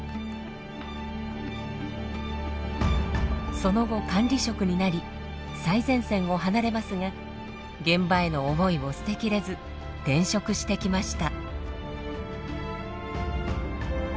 その後管理職になり最前線を離れますが現場への思いを捨て切れず転職してきました。